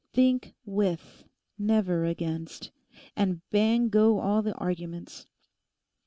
Think with; never against: and bang go all the arguments.